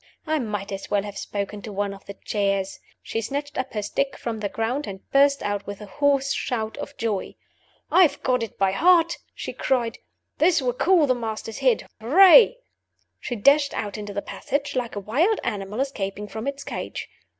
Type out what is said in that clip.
I might as well have spoken to one of the chairs. She snatched up her stick from the floor, and burst out with a hoarse shout of joy. "I've got it by heart!" she cried. "This will cool the Master's head! Hooray!" She dashed out into the passage like a wild animal escaping from its cage.